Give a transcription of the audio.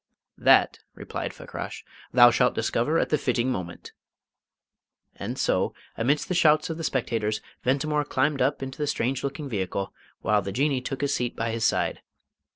"That," replied Fakrash, "thou shalt discover at the fitting moment." And so, amidst the shouts of the spectators, Ventimore climbed up into the strange looking vehicle, while the Jinnee took his seat by his side.